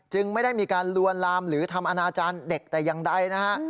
ไม่ได้มีการลวนลามหรือทำอนาจารย์เด็กแต่อย่างใดนะฮะ